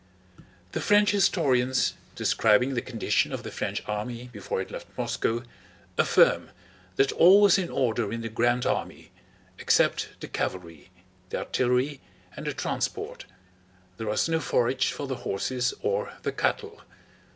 The French historians, describing the condition of the French army before it left Moscow, affirm that all was in order in the Grand Army, except the cavalry, the artillery, and the transport—there was no forage for the horses or the cattle.